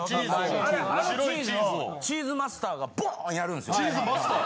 あれあのチーズをチーズマスターがボーン！やるんすよ。